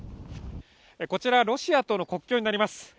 こちらロシアとの国境になります。